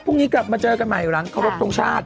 พรุ่งนี้กลับมาเจอกันใหม่หลังครบทรงชาติ